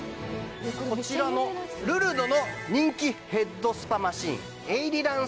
こちらのルルドの人気ヘッドスパマシンエイリラン